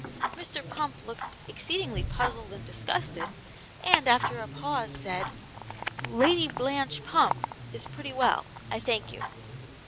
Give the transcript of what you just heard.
Mr. Pump looked exceedingly puzzled and disgusted, and, after a pause, said, 'LADY BLANCHE PUMP' is pretty well, I thank you.'